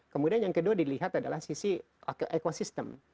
kemudian yang kedua dilihat adalah sisi ekosistem